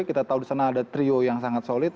kita tahu di sana ada trio yang sangat solid